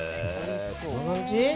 こんな感じ？